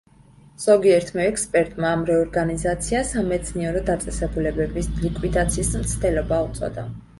ზოგიერთმა ექსპერტმა ამ რეორგანიზაციას სამეცნიერო დაწესებულებების ლიკვიდაციის მცდელობა უწოდა.